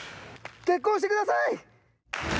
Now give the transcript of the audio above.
結婚してください！